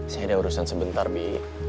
saya ada urusan sebentar nih